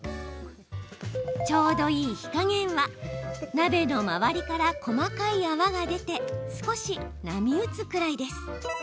ちょうどいい火加減は鍋の周りから細かい泡が出て少し波打つくらいです。